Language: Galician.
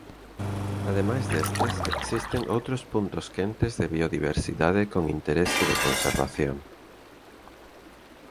Ademais destes existen outros puntos quentes de biodiversidade con interese de conservación.